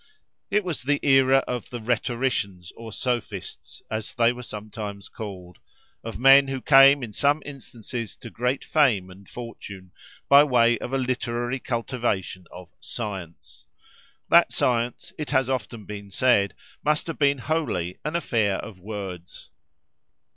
It was the era of the rhetoricians, or sophists, as they were sometimes called; of men who came in some instances to great fame and fortune, by way of a literary cultivation of "science." That science, it has been often said, must have been wholly an affair of words.